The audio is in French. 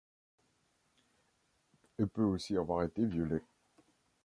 Elle peut aussi avoir été violée.